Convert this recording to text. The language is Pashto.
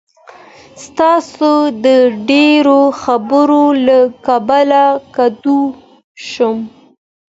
ستا د ډېرو خبرو له کبله کدو شوم.